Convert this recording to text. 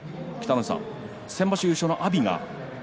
先場所優勝の阿炎が。